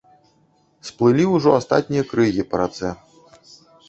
Сплылі ўжо астатнія крыгі па рацэ.